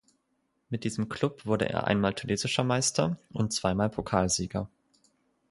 Mit diesem Klub wurde er einmal tunesischer Meister und zweimal Pokalsieger.